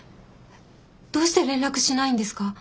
どうして連絡しないんですか？